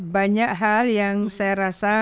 banyak hal yang saya rasa